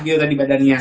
gitu tadi badannya